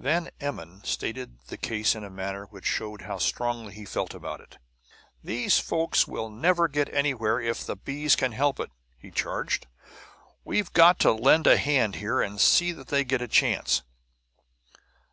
Van Emmon stated the case in a manner which showed how strongly he felt about it. "Those folks will never get anywhere if the bees can help it!" he charged." We've got to lend a hand, here, and see that they get a chance!"